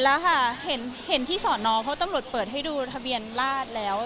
แล้วค่ะเห็นที่สอนอเพราะตำรวจเปิดให้ดูทะเบียนราชแล้ว